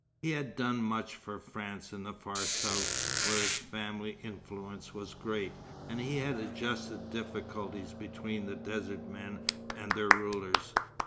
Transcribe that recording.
He had done much for France in the far south, where his family influence was great, and he had adjusted difficulties between the desert men and their rulers.